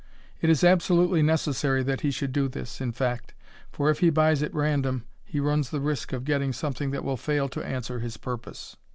It is absolutely necessary that he should do this, in fact, for if he buys at random he runs the risk of getting something that will fail to answer his purpose.